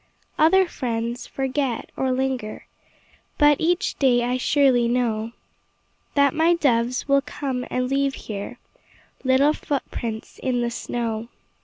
Other friends forget, or linger, But each day I surely know That my doves will come and leave here Little footprints in the snow.